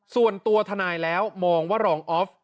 ส่วนตัวทนายแล้วมองว่ารองออฟ